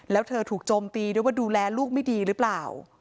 และเธอถูกจมตีด้วยดูแลลูกไม่ดีรึเปล่า